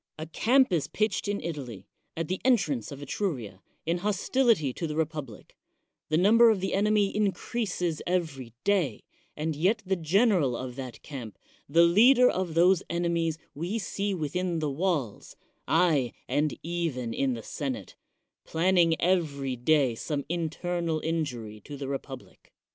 A camp is pitched in Italy, at the entrance of Etruria, in hostility to the republic; the number of the enemy increases every day; and yet the general of that camp, the leader of those enemies, we see within the walls — aye, and even in the senate — planning every day some internal injury to the republic.